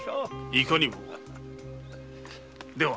いかにも。では。